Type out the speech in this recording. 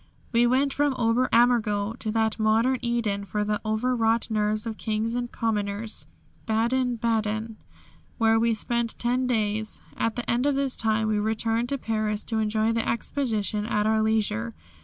We went from Ober Ammergau to that modern Eden for the overwrought nerves of kings and commoners Baden baden, where we spent ten days. At the end of this time we returned to Paris to enjoy the Exposition at our leisure.